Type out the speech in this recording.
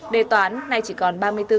đề toán nay chỉ còn ba mươi bốn câu